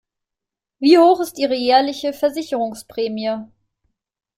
Wie hoch ist ihre jährliche Versicherungsprämie?